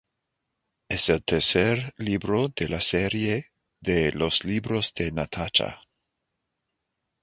Es el tercer libro de la serie de los libros de "Natacha".